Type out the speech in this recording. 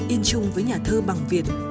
yên chung với nhà thơ bằng việt